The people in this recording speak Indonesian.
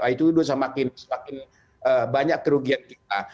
itu semakin banyak kerugian kita